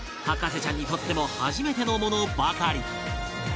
博士ちゃんにとっても初めてのものばかり